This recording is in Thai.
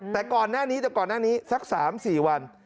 แต่ก่อนหน้านี้แต่ก่อนหน้านี้สัก๓๔วัน